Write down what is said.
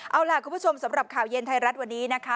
เอาล่ะคุณผู้ชมสำหรับข่าวเย็นไทยรัฐวันนี้นะคะ